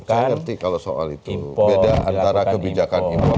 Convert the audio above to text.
saya ngerti kalau soal itu beda antara kebijakan impor